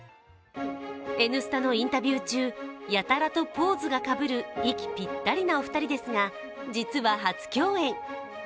「Ｎスタ」のインタビュー中やたらとポーズがかぶる息ぴったりなお二人ですが、実は初共演。